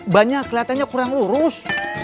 bannya keliatannya kurang lurus